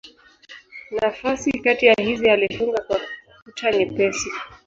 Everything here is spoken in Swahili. Nafasi kati ya hizi alifunga kwa kuta nyepesi.